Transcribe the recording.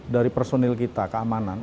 dari personil kita keamanan